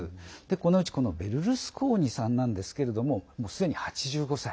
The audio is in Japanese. このうち、ベルルスコーニさんなんですけれども、すでに８５歳。